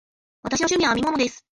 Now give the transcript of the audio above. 私の趣味は編み物です。